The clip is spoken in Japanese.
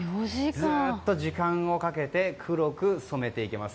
ずっと時間をかけて黒く染めていきます。